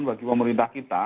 bagi pemerintah kita